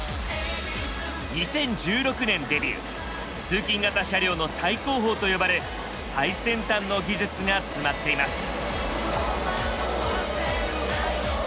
２０１６年デビュー通勤型車両の最高峰と呼ばれ最先端の技術が詰まっています。